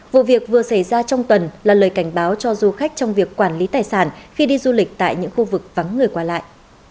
vụ việc vừa xảy ra trong tuần là lời cảnh báo cho du khách trong việc quản lý tài sản khi đi du lịch tại những khu vực vắng người qua lại